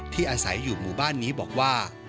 อาศัยอยู่หมู่บ้านนี้บอกว่า